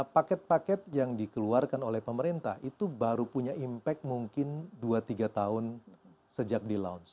paket paket yang dikeluarkan oleh pemerintah itu baru punya impact mungkin dua tiga tahun sejak di launch